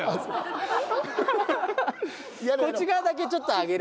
こっち側だけちょっと上げる。